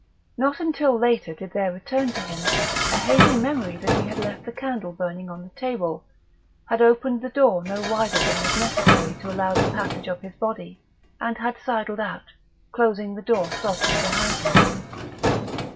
Not until later did there return to him a hazy memory that he had left the candle burning on the table, had opened the door no wider than was necessary to allow the passage of his body, and had sidled out, closing the door softly behind him.